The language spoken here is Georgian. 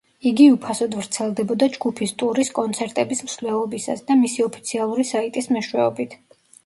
იგი უფასოდ ვრცელდებოდა ჯგუფის ტურის კონცერტების მსვლელობისას და მისი ოფიციალური საიტის მეშვეობით.